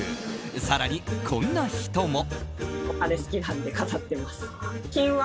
更にこんな人も。